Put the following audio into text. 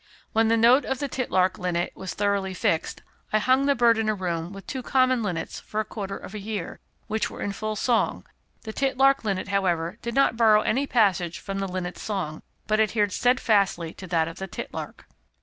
When the note of the titlark linnet was thoroughly fixed, I hung the bird in a room with two common linnets for a quarter of a year, which were full in song; the titlark linnet, however, did not borrow any passage from the linnet's song, but adhered stedfastly to that of the titlark."